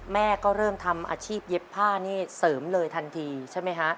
แม่ก็เริ่มทำอาชีพเย็บผ้านี่เสริมเลยทันทีใช่ไหมฮะ